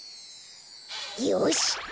よし！